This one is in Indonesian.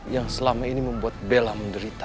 yang selama ini membuat bella menderita